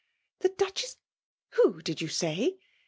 "The Duchess — who did you saj?'